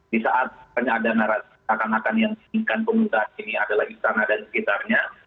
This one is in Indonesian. di saat penyadana raksasa akan akan yang diinginkan pemerintah ini adalah di sana dan sekitarnya